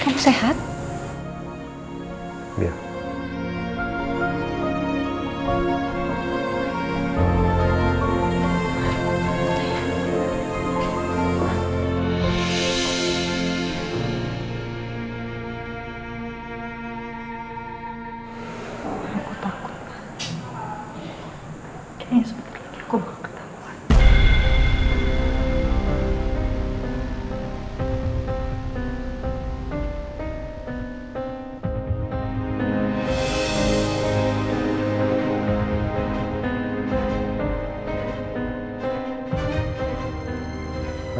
kayaknya sebetulnya aku bakal ketawa